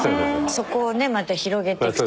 そこをねまた広げていくと。